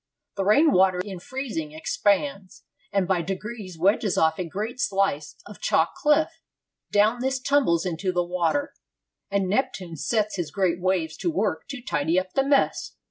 The rain water in freezing expands, and by degrees wedges off a great slice of chalk cliff; down this tumbles into the water; and Neptune sets his great waves to work to tidy up the mess.'